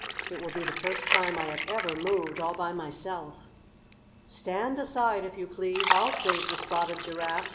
It will be the first time I have ever moved all by myself." "Stand aside, if you please! I'll save the Spotted Giraffe!"